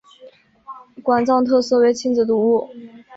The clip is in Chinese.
馆藏特色为亲子读物。